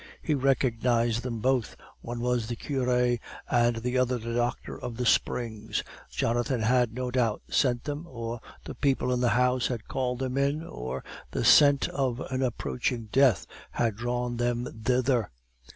He recognized them both. One was the cure and the other the doctor at the springs; Jonathan had no doubt sent them, or the people in the house had called them in, or the scent of an approaching death had drawn them thither.